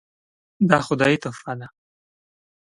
دا خدایي تحفه ده .